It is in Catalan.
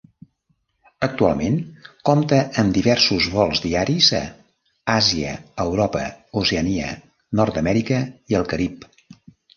Actualment compta amb diversos vols diaris a Àsia, Europa, Oceania, Nord-amèrica i el Carib.